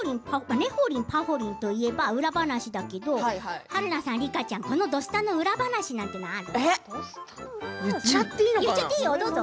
「ねほりんぱほりん」といえば裏話だけど春菜さん、梨花ちゃん、この「土スタ」の裏話なんてある？